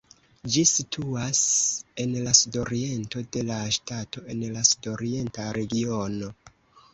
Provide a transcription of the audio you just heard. Ĝi situas en la sudoriento de la ŝtato en la Sudorienta regiono.